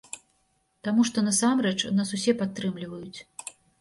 Таму што насамрэч нас усе падтрымліваюць.